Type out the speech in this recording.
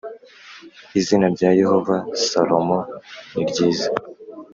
Izina rya yehova salomo niryiza